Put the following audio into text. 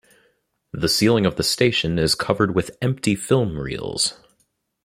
The ceiling of the station is covered with empty film reels.